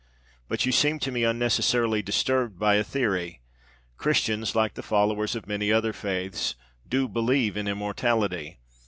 But you seem to me unnecessarily disturbed by a theory. Christians, like the followers of many other faiths, do 'believe' in immortality.